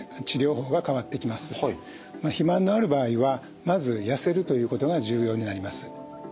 肥満のある場合はまず痩せるということが重要になります。